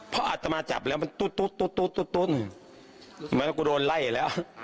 เพราะอัตมานจับแล้วมันตุ๊ดเหมือนกูโดนไล่แล้ว